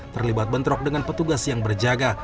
terlibat bentrok dengan petugas yang berjaga